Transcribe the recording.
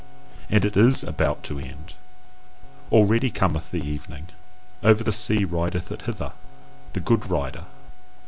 And it is ABOUT TO end. Already cometh the evening: over the sea rideth it hither, the good rider!